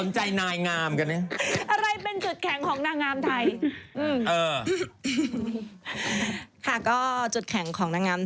แฟนนั่นไงแฟนนั่นค่ะนั่นไง